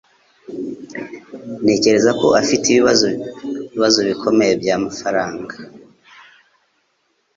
Ntekereza ko afite ibibazo bikomeye byamafaranga